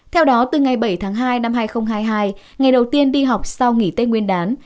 theo đó từ ngày bảy tháng hai năm hai nghìn hai mươi hai ngày đầu tiên đi học sau nghỉ tết nguyên đán